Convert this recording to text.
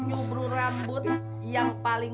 nyobrol rambut yang paling